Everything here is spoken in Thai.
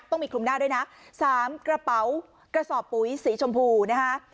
ต้องมีคลุมหน้าด้วยนะ๓กระเป๋ากระสอบปุ๋ยสีชมพูนะคะ